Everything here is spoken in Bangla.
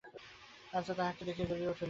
রাজা তাহাকে দেখিয়াই জ্বলিয়া উঠিলেন।